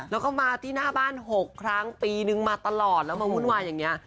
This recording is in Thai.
แล้วก็มาที่หน้าบ้าน๖ครั้งปีนึงมาตลอดแล้วมาวุ่นวายอย่างนี้